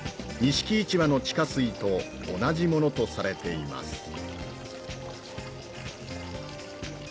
錦市場の地下水と同じものとされています